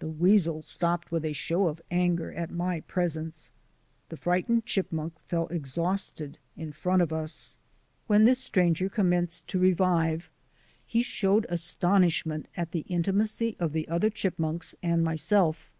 The weasel stopped with a show of anger at my presence. The frightened chipmunk fell exhausted in front of us. When this stranger commenced to revive he showed astonishment at the intimacy of the other chipmunks and myself.